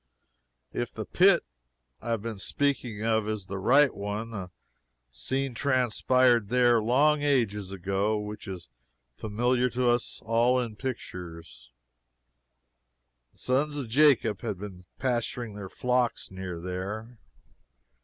If the pit I have been speaking of is the right one, a scene transpired there, long ages ago, which is familiar to us all in pictures. The sons of Jacob had been pasturing their flocks near there.